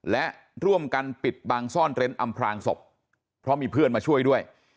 และร่วมกันปิดบังซ่อนเร้นอำพลางศพเพราะมีเพื่อนมาช่วยด้วย